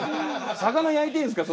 魚焼いてるんですから。